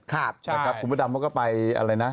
ครับใช่ครับคุณพระดำก็ไปอะไรนะ